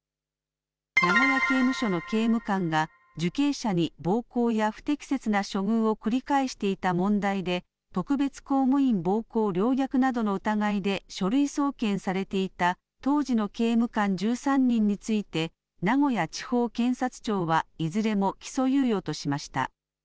名古屋刑務所の刑務官が受刑者に暴行や不適切な処遇を繰り返していた問題で、特別公務員暴行陵虐などの疑いで書類送検されていた当時の刑務官１３人について、名古屋地方検察庁はいずれも起訴猶予としました。